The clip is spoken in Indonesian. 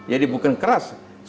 jadi bukan keras